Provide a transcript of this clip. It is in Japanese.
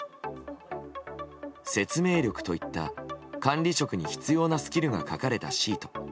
説明力といった管理職に必要なスキルが書かれたシート。